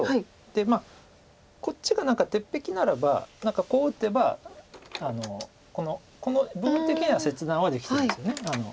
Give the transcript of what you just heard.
でこっちが鉄壁ならば何かこう打てばこの部分的には切断はできそうですよね。